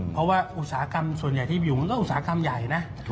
เพราะว่าอุตสาหกรรมส่วนใหญ่ที่อยู่มันก็อุตสาหกรรมใหญ่นะ